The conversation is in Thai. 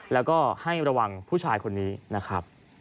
แล้วก็ให้ระวังผู้ชายคนนี้นะครับ